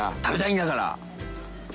食べたいんだから！